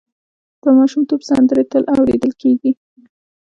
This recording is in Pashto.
د ماشومتوب سندرې تل اورېدل کېږي.